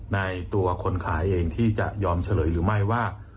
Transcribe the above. ในตัวคนขายเองที่จะยอมเฉลยหรือไม่ว่า